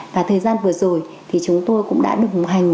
và thời gian vừa rồi thì chúng tôi cũng đã đồng hành